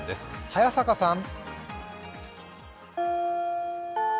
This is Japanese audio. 早坂さん。